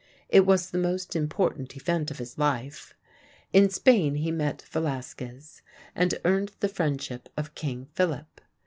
It was the most important event of his life. In Spain he met Velasquez and earned the friendship of King Philip.